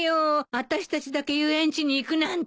あたしたちだけ遊園地に行くなんて。